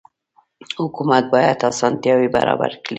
حکومت باید اسانتیاوې برابرې کړي.